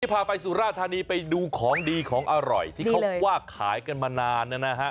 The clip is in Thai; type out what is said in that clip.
พาไปสุราธานีไปดูของดีของอร่อยที่เขาว่าขายกันมานานนะฮะ